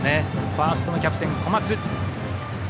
ファーストのキャプテン、小松。